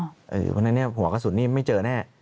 เพราะฉะนั้นหัวกระสุนนี้ไม่เจอแน่